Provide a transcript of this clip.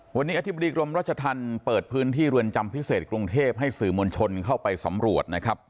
วันนี้อธิบดีกรมรัชธรรมเปิดพื้นที่เรือนจำพิเศษกรุงเทพให้สื่อมวลชนเข้าไปสำรวจนะครับ